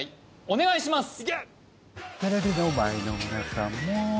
お願いします